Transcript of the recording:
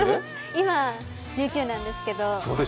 今１９なんですけど。